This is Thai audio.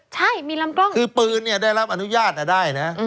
ใช่มีลำกล้องคือปืนเนี่ยได้รับอนุญาตได้นะ